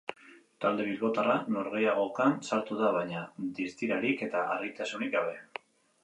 Talde bilbotarra norgehiagokan sartu da, baina distirarik eta argitasunik gabe.